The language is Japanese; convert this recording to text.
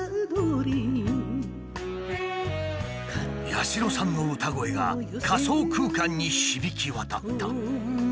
八代さんの歌声が仮想空間に響き渡った。